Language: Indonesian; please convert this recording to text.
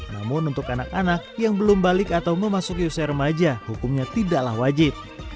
namun untuk anak anak yang belum balik atau memasuki usia remaja hukumnya tidaklah wajib